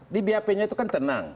di bap nya itu kan tenang